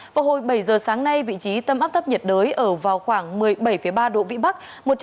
vào hồi bảy giờ sáng nay vị trí tâm áp thấp nhiệt đới ở vào khoảng một mươi bảy ba độ vĩ bắc